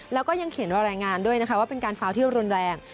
แล้วก็ยังเขียนว่ารายงานด้วยนะคะว่าเป็นการฟาวที่รุนแรง